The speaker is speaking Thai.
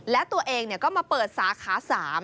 และตัวเองก็มาเปิดสาขา๓